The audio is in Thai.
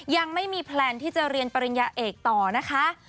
ยังไม่มีแพลนที่จะเรียนปริญญาเอกต่อนะคะ